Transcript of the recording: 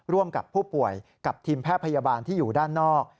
ร่วมกับผู้ป่วยกับทีมแพทย์พยาบาลที่อยู่ด้านนอก